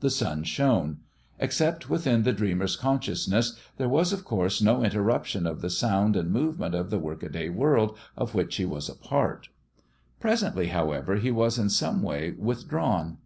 The sun shone. Except within the dreamer's consciousness there was of course no interruption of the sound and movement of the workaday world of which he was a part. Presently, however, he was in some way withdrawn.